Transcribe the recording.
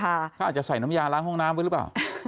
เขาอาจจะใส่น้ำยาล้างห้องน้ำไว้หรือเปล่า